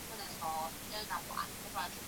achana na watu ya kenya hapo watajuana na ocampo